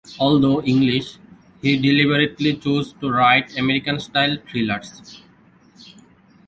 Although English, he deliberately chose to write American-style thrillers.